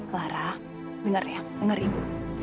lara denger ya denger ibu